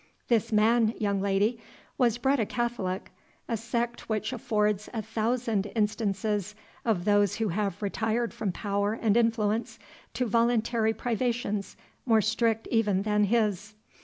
"This man, young lady, was bred a Catholic, a sect which affords a thousand instances of those who have retired from power and affluence to voluntary privations more strict even than his."